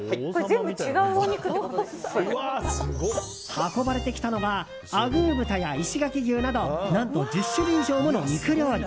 運ばれてきたのはアグー豚や石垣牛など何と１０種類以上もの肉料理。